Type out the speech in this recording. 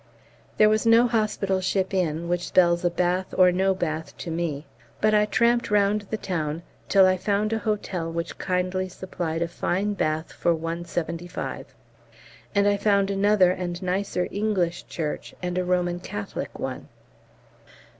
There was no hospital ship in, which spells a bath or no bath to me, but I ramped round the town till I found a hotel which kindly supplied a fine bath for 1.75. And I found another and nicer English church and a Roman Catholic one.